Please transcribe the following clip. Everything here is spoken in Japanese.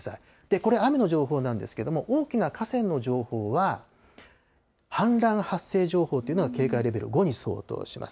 これ、雨の情報なんですけれども、大きな河川の情報は、氾濫発生情報というのが、警戒レベル５に相当します。